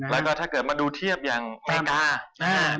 และถ้าดูเทียบกันบังคับอย่างอเมริกา